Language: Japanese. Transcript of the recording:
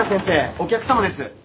お客様です。